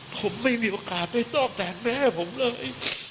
ผมไม่มีโอกาสไปซ่อมแทนแม่ให้ผมเลย